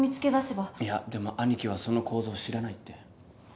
いやでも兄貴はその口座を知らないって。